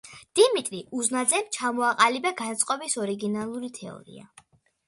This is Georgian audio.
დიმიტრი უზნაძემ ჩამოაყალიბა განწყობის ორიგინალური თეორია.